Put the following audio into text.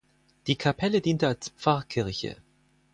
Die Kapelle diente als Pfarrkirche.